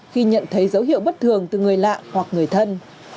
khi nhận thấy dấu hiệu bất thường từ người lạ hoặc người thân